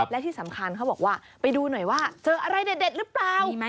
และที่สำคัญเขาบอกว่าไปดูหน่อยว่าเจออะไรเด็ดหรือเปล่า